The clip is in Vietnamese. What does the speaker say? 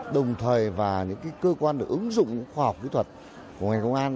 đồng thời và những cơ quan được ứng dụng khoa học kỹ thuật của ngành công an